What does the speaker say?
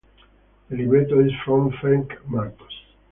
The libretto is from Ferenc Martos.